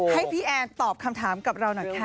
ให้พี่แอนตอบคำถามกับเราหน่อยค่ะ